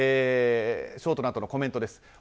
ショートのあとのコメントです。